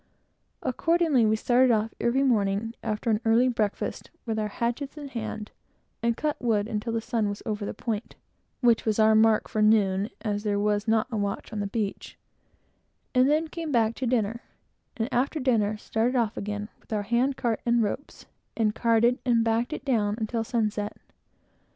Accordingly, we started off every morning, after an early breakfast, with our hatchets in hand, and cut wood until the sun was over the point, which was our only mark of time, as there was not a watch on the beach and then came back to dinner, and after dinner, started off again with our hand cart and ropes, and carted and "backed" it down, until sunset.